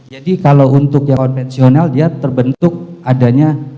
jadi kalau untuk yang konvensional dia terbentuk adanya